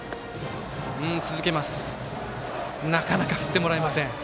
なかなか振ってもらえません。